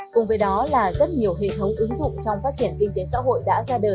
cùng với đó là rất nhiều hệ thống ứng dụng trong phát triển kinh tế xã hội đã ra đời